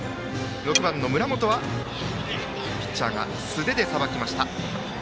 ６番、村本の打球はピッチャーが素手でさばきました。